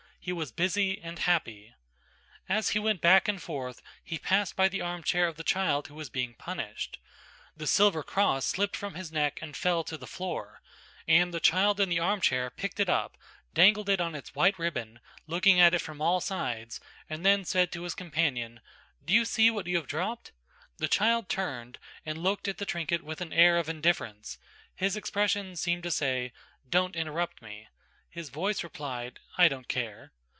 He was busy and happy. As he went back and forth he passed by the armchair of the child who was being punished. The silver cross slipped from his neck and fell to the floor, and the child in the armchair picked it up, dangled it on its white ribbon, looking at it from all sides, and then said to his companion: "Do you see what you have dropped?" The child turned and looked at the trinket with an air of indifference; his expression seemed to say; "Don't interrupt me," his voice replied "I don't care."